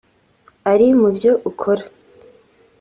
ari mu byo ukora